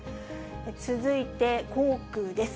続いて、航空です。